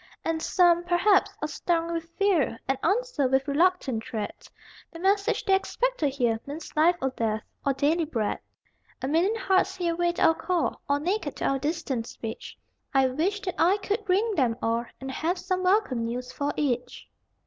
And some, perhaps, are stung with fear And answer with reluctant tread: The message they expect to hear Means life or death or daily bread. A million hearts here wait our call, All naked to our distant speech I wish that I could ring them all And have some welcome news for each!